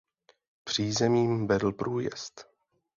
Přízemím vedl průjezd.